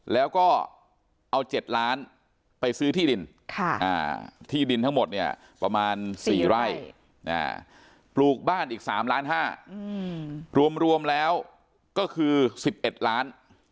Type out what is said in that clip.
แล้วก็เอา๗ล้านไปซื้อที่ดินที่ดินทั้งหมดเนี่ยประมาณ๔ไร่ปลูกบ้านอีก๓ล้าน๕รวมแล้วก็คือ๑๑ล้าน